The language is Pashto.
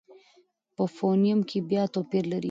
په فونېم کې بیا توپیر لري.